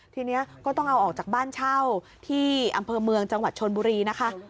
ทีนี้ก็ต้องเอาออกจากบ้านเช่าที่อำเภอเมืองจังหวัดชนบุรีนะคะ